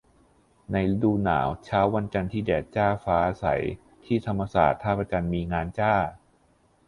ในฤดูหนาว เช้าวันจันทร์ที่แดดจ้าฟ้าใส ที่ธรรมศาสตร์ ท่าพระจันทร์มีงานจ้า